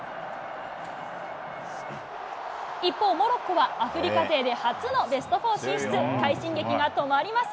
一方、モロッコはアフリカ勢で初のベストフォー進出。